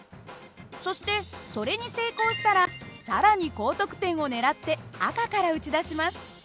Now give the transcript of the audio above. そしてそれに成功したら更に高得点を狙って赤から撃ち出します。